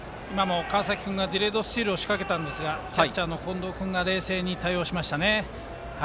川崎君がディレードスチールを仕掛けたんですがキャッチャーの近藤君が冷静に対応しましたね。